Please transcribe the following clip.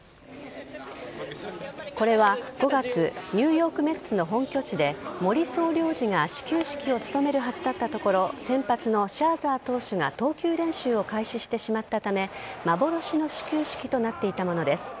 これは５月ニューヨーク・メッツの本拠地で森総領事が始球式を務めるはずだったところ先発のシャーザー投手が投球練習を開始してしまったため幻の始球式となっていたものです。